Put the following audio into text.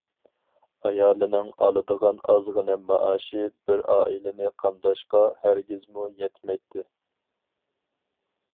ئايالىنىڭ ئالىدىغان ئازغىنە مائاشى بىر ئائىلىنى قامداشقا ھەرگىزمۇ يەتمەيتتى.